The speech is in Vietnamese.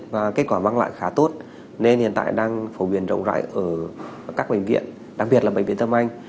và kết quả mang lại khá tốt nên hiện tại đang phổ biến rộng rãi ở các bệnh viện đặc biệt là bệnh viện tâm anh